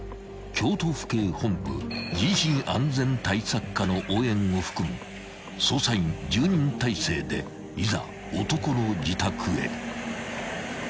［京都府警本部人身安全対策課の応援を含む捜査員１０人体制でいざ男の自宅へ］